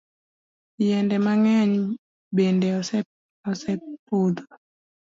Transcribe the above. Yiende mang'eny bende osepodho.